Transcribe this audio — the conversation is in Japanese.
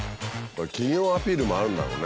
企業アピールもあるんだろうね。